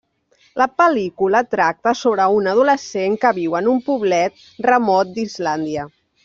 La pel·lícula tracta sobre un adolescent que viu en un poblet remot d'Islàndia.